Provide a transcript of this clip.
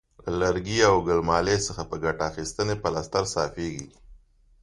له لرګي او ګل مالې څخه په ګټه اخیستنې پلستر صافیږي.